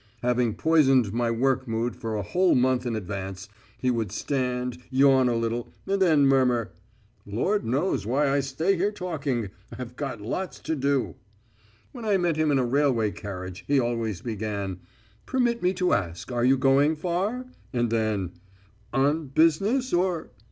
Having poisoned my working mood for a whole month in advance, he would stand, yawn a little, and then murmur: "Lord knows why I stay here talking. I've got lots to do." When I met him in a railway carriage he always began: "Permit me to ask, are you going far?" And then: "On business or